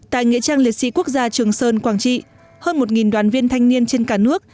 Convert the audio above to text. tại nghĩa trang liệt sĩ quốc gia trường sơn quảng trị hơn một đoàn viên thanh niên trên cả nước